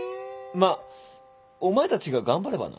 まっお前たちが頑張ればな。